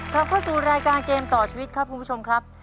กลับเข้าสู่รายการเกมต่อชีวิตครับคุณผู้ชมครับ